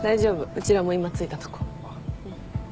うちらも今着いたとこ。